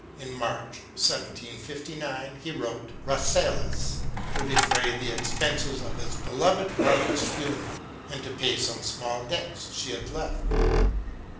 In March 1759 he wrote " Rasselas " to defray the expenses of his beloved mother's funeral and to pay some small debts she had left.